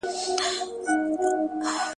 زعفران موږ ته د ازادۍ درس راکوي.